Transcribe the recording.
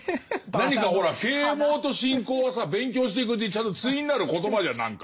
何かほら啓蒙と信仰はさ勉強していくうちにちゃんと対になる言葉じゃん何か。